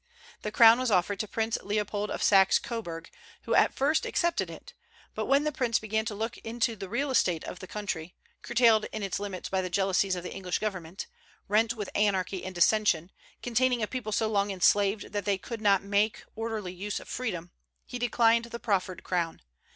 The crown was offered to Prince Leopold of Saxe Coburg, who at first accepted it; but when that prince began to look into the real state of the country, curtailed in its limits by the jealousies of the English government, rent with anarchy and dissension, containing a people so long enslaved that they could not make orderly use of freedom, he declined the proffered crown.